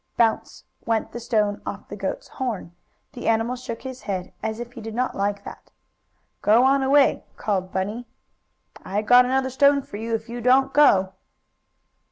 "Bounce!" went the stone off the goat's horn. The animal shook his head, as if he did not like that. "Go on away!" called Bunny. "I got another stone for you if you don't go!"